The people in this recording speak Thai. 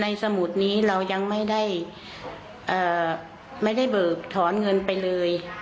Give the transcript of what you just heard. สมุดนี้เรายังไม่ได้เบิกถอนเงินไปเลย